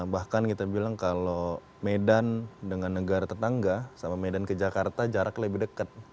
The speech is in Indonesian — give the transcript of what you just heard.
bahkan kita bilang kalau medan dengan negara tetangga sama medan ke jakarta jarak lebih dekat